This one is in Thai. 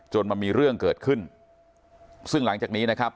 มันมีเรื่องเกิดขึ้นซึ่งหลังจากนี้นะครับ